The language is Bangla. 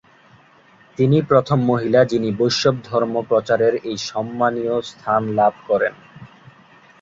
তিনি প্রথম মহিলা যিনি বৈষ্ণব ধর্ম প্রচারের এই সন্মানীয় স্থান লাভ করেন।